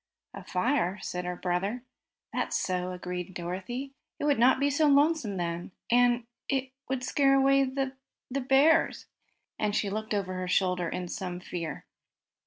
"A fire?" said her brother. "That's so," agreed Dorothy. "It would not be so lonesome then, and it would scare away the bears!" and she looked over her shoulder in some fear.